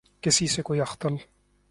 کسی سے کوئی اختل